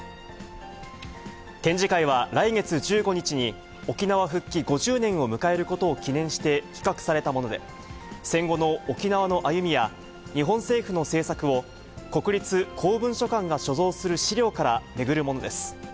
展示会は、来月１５日に、沖縄復帰５０年を迎えることを記念して企画されたもので、戦後の沖縄の歩みや日本政府の政策を、国立公文書館が所蔵する資料から巡るものです。